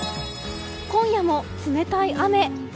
今夜も冷たい雨。